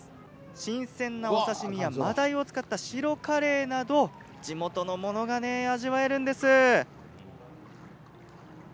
新鮮なお刺身やマダイを使った地元のものが味わえるんです。